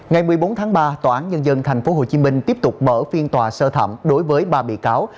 ngày một mươi bốn tháng ba tòa án nhân dân tp hcm tiếp tục mở phiên tòa sơ thẩm đối với ba bị cáo